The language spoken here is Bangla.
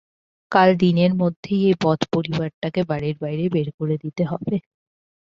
কাল দিনের মধ্যেই এই বদ পরিবারটাকে বাড়ির বাইরে বের করে দিতে হবে।